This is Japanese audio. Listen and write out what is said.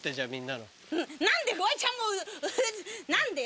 何でフワちゃんも何でよ！